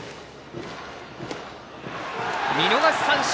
見逃し三振。